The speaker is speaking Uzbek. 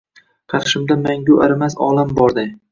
Qarshimda mangu arimas olam borday.